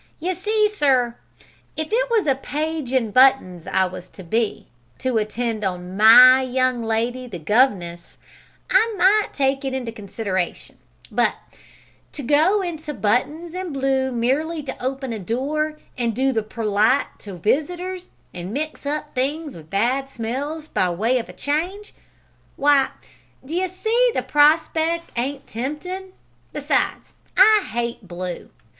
"You see, sir, if it was a page in buttons I was to be, to attend on my young lady the guv'ness, I might take it into consideration; but to go into buttons an' blue merely to open a door an' do the purlite to wisitors, an' mix up things with bad smells by way of a change why, d'ee see, the prospec' ain't temptin'. Besides, I hate blue.